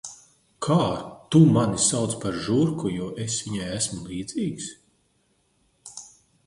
Kā tu mani sauc par žurku, jo es viņai esmu līdzīgs?